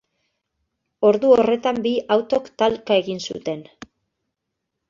Ordu horretan, bi autok talka egin zuten.